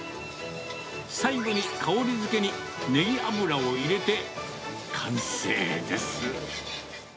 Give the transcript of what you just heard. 最後に香りづけにネギ油を入れて、完成です。